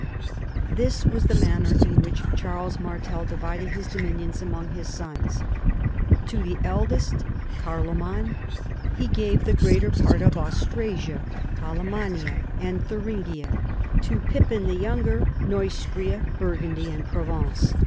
This was the manner in which Charles Martel divided his dominions among his sons. To the eldest, Carloman, he gave the greater part of Aus trasia, Alamannia, and Thuringia ; to Pippin, the younger, Neustria, Burgundy and Provence.